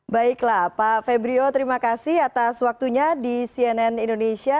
baiklah pak febrio terima kasih atas waktunya di cnn indonesia